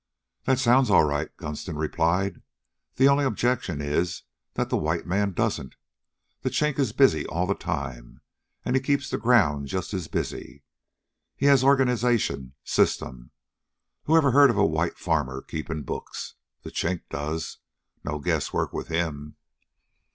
"That sounds all right," Gunston replied. "The only objection is that the white man doesn't. The Chink is busy all the time, and he keeps the ground just as busy. He has organization, system. Who ever heard of white farmers keeping books? The Chink does. No guess work with him.